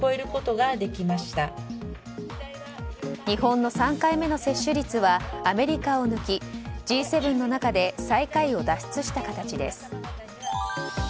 日本の３回目の接種率はアメリカを抜きＧ７の中で最下位を脱出した形です。